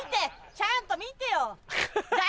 ちゃんと見てよ。